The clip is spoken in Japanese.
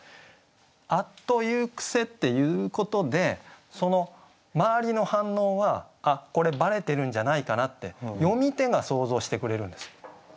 「あつと言ふ癖」って言うことでその周りの反応は「あっこればれてるんじゃないかな」って読み手が想像してくれるんですよ。